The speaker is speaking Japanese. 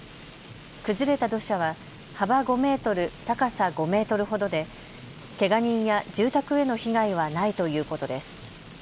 崩れた土砂は幅５メートル、高さ５メートルほどでけが人や住宅への被害はないということです。